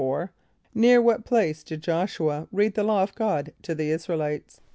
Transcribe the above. = Near what place did J[)o]sh´u [.a] read the law of God to the [)I][s+]´ra el [=i]tes?